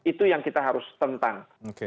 itu yang kita harus tentang